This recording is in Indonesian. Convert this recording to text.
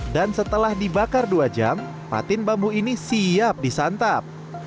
dan setelah dibakar dua jam patin bambu ini siap disantap